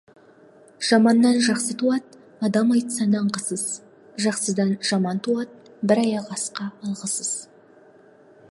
Жаманнан жақсы туады адам айтса нанғысыз, жақсыдан жаман туады бір аяқ асқа алғысыз.